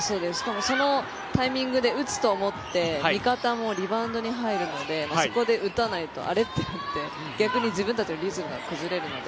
そのタイミングで打つと思って味方もリバウンドに入るのでそこで打たないとあれ？ってなって逆に自分たちのリズムが崩れるので。